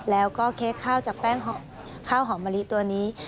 แล้วก็เค้กข้าวจากแป้งข้าวหอมมะลิตัวนี้